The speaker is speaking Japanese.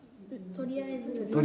とりあえず。